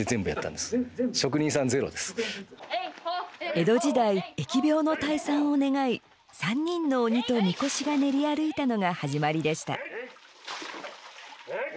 江戸時代疫病の退散を願い３人の鬼と神輿が練り歩いたのが始まりでした。